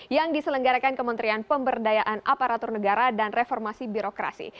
yang diselenggarakan kementerian pemberdayaan aparatur negara dan reformasi birokrasi